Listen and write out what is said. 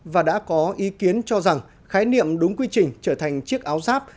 và đã có ý kiến cho rằng khái niệm đúng quy trình trở thành chiếc áo giáp